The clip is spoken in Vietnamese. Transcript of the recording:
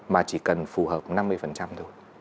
mà chỉ cần phù hợp năm mươi thôi